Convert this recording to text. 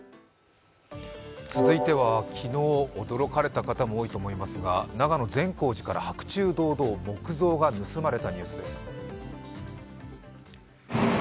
続いては昨日、驚かれた方も多いと思いますが、長野・善光寺から白昼堂々仏像が盗まれたニュースです。